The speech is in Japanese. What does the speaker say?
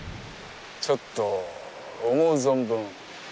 ちょっと思う存分